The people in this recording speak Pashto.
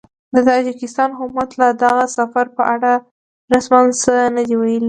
د تاجکستان حکومت لا د دغه سفر په اړه رسماً څه نه دي ویلي